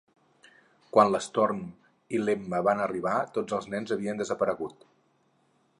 Quan l'Storm i l'Emma van arribar, tots els nens havien desaparegut.